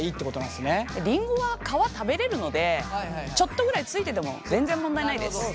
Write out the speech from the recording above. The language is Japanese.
りんごは皮食べれるのでちょっとぐらいついてても全然問題ないです。